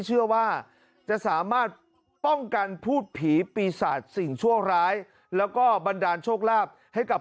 เชื่อว่าจะสามารถป้องกันพูดผีปีศาจสิ่งชั่วร้ายแล้วก็บันดาลโชคลาภให้กับ